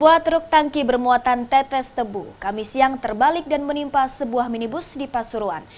sebuah truk tangki bermuatan tetes tebu kami siang terbalik dan menimpa sebuah minibus di pasuruan